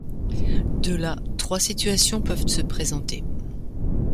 De là, trois situations peuvent se présenter.